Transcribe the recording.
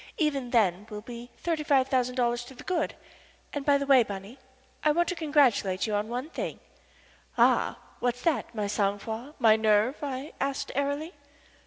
Even then we'll be thirty five thousand dollars to the good. And, by the way, Bunny, I want to congratulate you on one thing." "Ah! What's that my sang froid, my nerve?" I asked, airily.